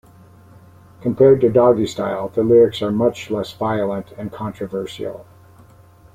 Compared to Doggystyle, the lyrics are much less violent and controversial.